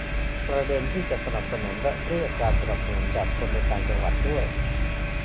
ประเด็นที่จะสนับสนุนและเรียกการสนับสนุนจากคนในต่างจังหวัดด้วย